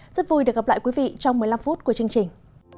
rất vui được gặp lại quý vị trong một mươi năm phút của chương trình